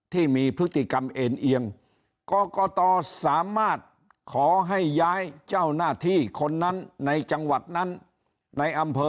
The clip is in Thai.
ที่มีพฤติกรรมเอ็นเอียงกรกตสามารถขอให้ย้ายเจ้าหน้าที่คนนั้นในจังหวัดนั้นในอำเภอ